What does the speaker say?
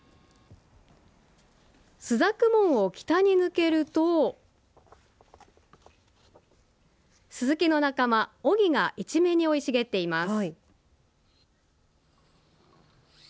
朱雀門を北に抜けるとすすきの仲間オギが一面に生い茂っています。